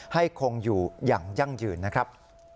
ให้คงอยู่อย่างยั่งยืนนะครับ